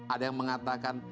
ada yang mengatakan